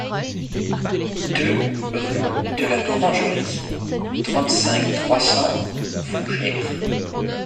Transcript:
deux rue de la Dorangerie, trente-cinq, trois cents, Fougères